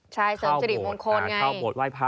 เช่นเสริมจิตมงคลไงอ่าเข้าโบสถ์ไหว้พระ